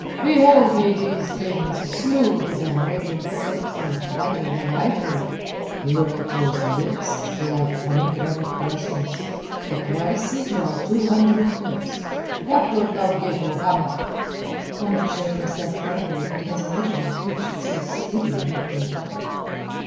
"Behold me these limbs, smooth as Arabian silks and whiter than ivory. Look at those lips like pomegranate blossoms. The price is now two hundred philips. What wilt thou give, O Hamet?" Hamet showed himself angry that his original bid should so speedily have been doubled.